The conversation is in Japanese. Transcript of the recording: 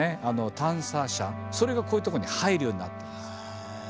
それがこういうとこに入るようになってるんです。